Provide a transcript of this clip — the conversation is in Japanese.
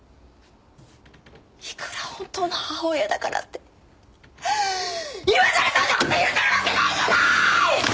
いくら本当の母親だからって今さらそんな事許せるわけないじゃない！